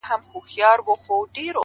علم د تیارو رڼا ده.!